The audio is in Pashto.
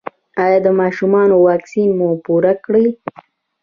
ایا د ماشومانو واکسین مو پوره کړی؟